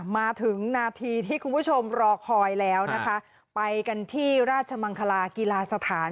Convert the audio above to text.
มาถึงนาทีที่คุณผู้ชมรอคอยแล้วนะคะไปกันที่ราชมังคลากีฬาสถาน